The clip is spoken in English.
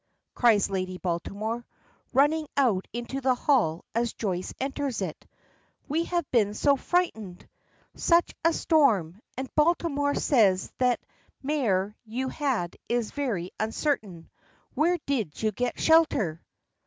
cries Lady Baltimore, running out into the hall as Joyce enters it. "We have been so frightened! Such a storm, and Baltimore says that mare you had is very uncertain. Where did you get shelter?"